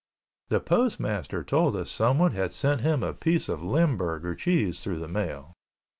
The postmaster told us someone had sent him a piece of limburger cheese through the mail.